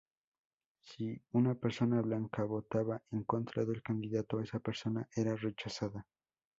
Si una persona blanca votaba en contra del candidato, esa persona era rechazada.